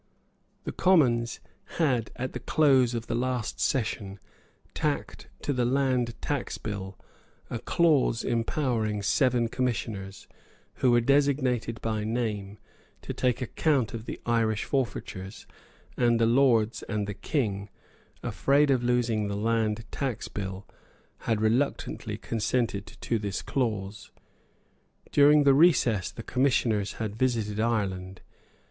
The Commons had at the close of the last session tacked to the Land Tax Bill a clause impowering seven Commissioners, who were designated by name, to take account of the Irish forfeitures; and the Lords and the King, afraid of losing the Land Tax Bill, had reluctantly consented to this clause. During the recess, the commissioners had visited Ireland.